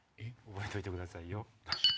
覚えといてくださいよ。